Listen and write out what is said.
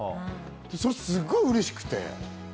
それはすごいうれしくて。